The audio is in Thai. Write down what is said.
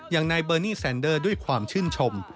อย่างนายเบอร์นี่แซนเดอร์ด้วยความชื่นชม